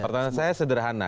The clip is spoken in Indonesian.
pertanyaan saya sederhana